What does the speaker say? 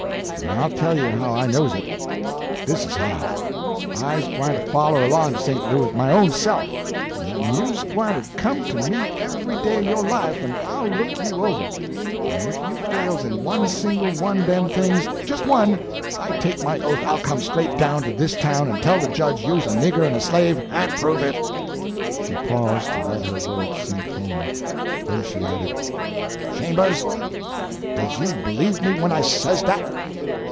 En I'll tell you how I knows it. Dis is how. I's gwyne to foller along to Sent Louis my own self; en you's gwyne to come to me every day o' yo' life, en I'll look you over; en if you fails in one single one o' dem things jist one I take my oath I'll come straight down to dis town en tell de Jedge you's a nigger en a slave en prove it!" She paused to let her words sink home. Then she added, "Chambers, does you b'lieve me when I says dat?"